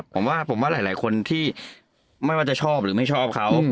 ผมว่าผมว่าหลายคนที่ไม่ว่าจะชอบหรือไม่ชอบเขา